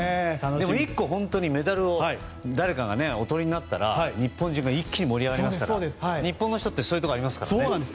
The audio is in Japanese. でも、１個本当にメダルを誰かがおとりになったら、日本中が一気に盛り上がりますから日本の人ってそういうところありますからね。